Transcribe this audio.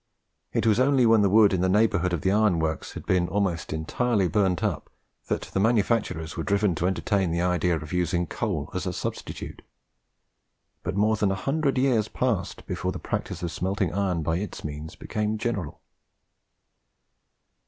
It was only when the wood in the neighbourhood of the ironworks had been almost entirely burnt up, that the manufacturers were driven to entertain the idea of using coal as a substitute; but more than a hundred years passed before the practice of smelting iron by its means became general.